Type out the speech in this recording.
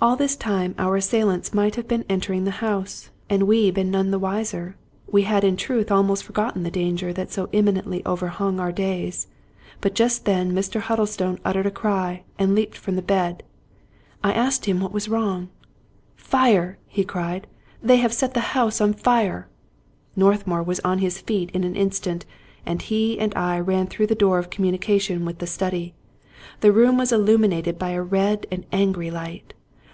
All this time our assailants might have been entering the house, and we been none the wiser ; we had in truth almost forgotten the danger that so imminently overhung our days. But just then Mr. Huddlestone uttered a cry, and leaped from the bed. I asked him what was wrong. " Fire I " he cried. " They have set the house on fire !" Northmour was on his feet in an instant, and he and I ran through the door of communication with the study. The room was illuminated by a red and angry light.